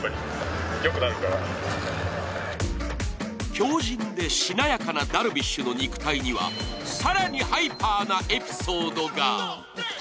強じんでしなやかなダルビッシュの肉体には、更にハイパーなエピソードが。